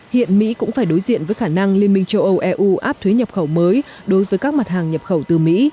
hiện mỹ cũng phải đối diện với khả năng liên minh châu âu eu áp thuế nhập khẩu mới đối với các mặt hàng nhập khẩu từ mỹ